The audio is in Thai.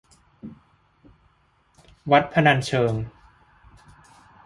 วัดพนัญเชิง